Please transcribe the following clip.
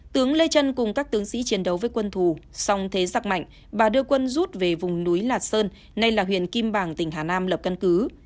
tướng lê trân cùng các tướng sĩ chiến đấu với quân thù song thế giặc mạnh bà đưa quân rút về vùng núi lạc sơn nay là huyện kim bàng tỉnh hà nam lập căn cứ